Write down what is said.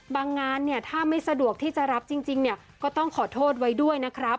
งานเนี่ยถ้าไม่สะดวกที่จะรับจริงเนี่ยก็ต้องขอโทษไว้ด้วยนะครับ